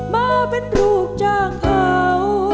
มาเป็นลูกจ้างเขา